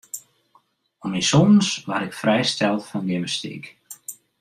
Om myn sûnens waard ik frijsteld fan gymnastyk.